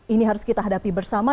ini harus kita hadapi bersama